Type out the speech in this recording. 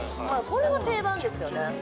これは定番ですよね